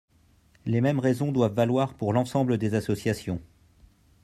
Les mêmes raisons doivent valoir pour l’ensemble des associations.